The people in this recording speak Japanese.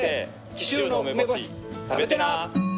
紀州の梅干し食べてな！